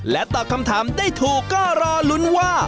ตอบคำถามได้ถูกก็รอลุ้นว่า